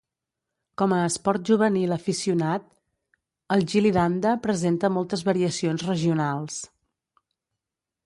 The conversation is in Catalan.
Com a esport juvenil aficionat, el gilli-danda presenta moltes variacions regionals.